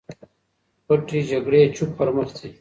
پټې جګړې چوپ پر مخ ځي.